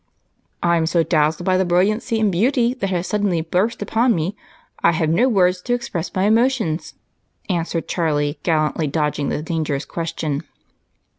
"I'm so dazzled by the brilliancy and beauty that has suddenly burst upon me, I have no words to express my emotions," answered Charlie, gallantly dodging the dangerous question.